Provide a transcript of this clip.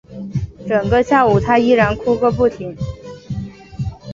整个下午她依然哭个不停